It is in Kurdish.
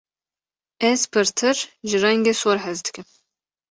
Ez pirtir ji rengê sor hez dikim.